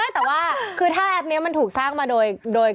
แต่ว่าคือถ้าแอปนี้มันถูกสร้างมาโดย